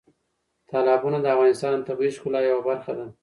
تالابونه د افغانستان د طبیعي ښکلا یوه برخه ده.